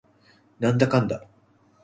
なんだかんだ